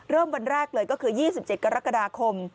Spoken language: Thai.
วันแรกเลยก็คือ๒๗กรกฎาคม